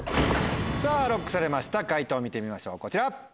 さぁＬＯＣＫされました解答見てみましょうこちら！